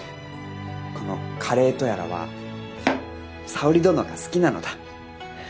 この華令江とやらは沙織殿が好きなのだ。